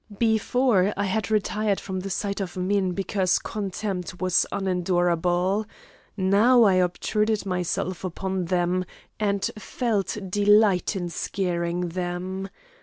Before, I had retired from the sight of men because contempt was unendurable. Now I obtruded myself upon them, and felt delight in scaring them.